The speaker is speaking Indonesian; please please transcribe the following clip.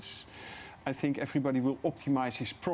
jika tidak ada pemeriksaan oleh pemerintah